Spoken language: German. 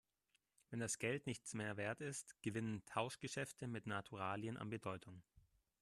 Wenn das Geld nichts mehr Wert ist, gewinnen Tauschgeschäfte mit Naturalien an Bedeutung.